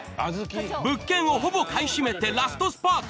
物件をほぼ買い占めてラストスパート！